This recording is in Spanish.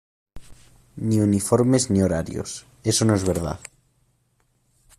ni uniformes ni horarios... eso no es verdad .